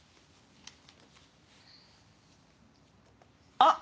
あっ！